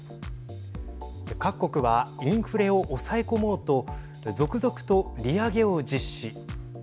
各国はインフレを抑え込もうと続々と利上げを実施。